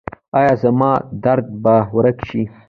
ایا زما درد به ورک شي؟